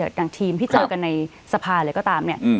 อย่างทีมที่เจอกันในสภาหรือก็ตาม